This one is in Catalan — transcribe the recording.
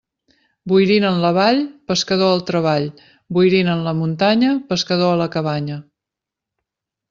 Boirina en la vall, pescador al treball; boirina en la muntanya, pescador a la cabanya.